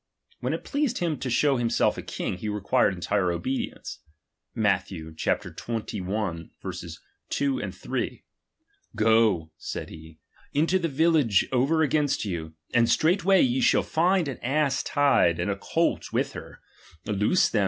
When it pleased him to show himself a ^H king, he required entire obedience, Matth. xxi. 2, 3 : ^H Go (said he) into the village over against you, and ^^| straight way ye shall find an ass tied, and a colt ^H with her ; loose them.